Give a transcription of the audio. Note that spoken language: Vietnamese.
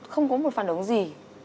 không có một phản ứng gì